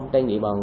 tây nghị bằng